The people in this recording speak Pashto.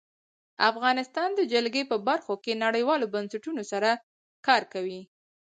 افغانستان د جلګه په برخه کې نړیوالو بنسټونو سره کار کوي.